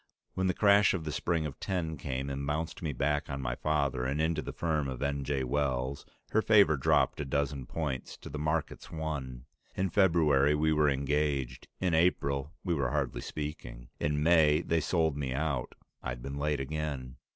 When the crash of the spring of '10 came and bounced me back on my father and into the firm of N. J. Wells, her favor dropped a dozen points to the market's one. In February we were engaged, in April we were hardly speaking. In May they sold me out. I'd been late again.